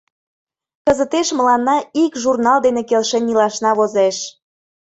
Кызытеш мыланна ик журнал дене келшен илашна возеш.